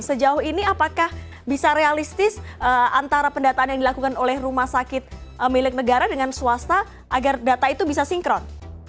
sejauh ini apakah bisa realistis antara pendataan yang dilakukan oleh rumah sakit milik negara dengan swasta agar data itu bisa sinkron